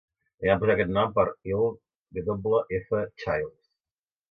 Li van posar aquest nom per Earle W. F. Childs.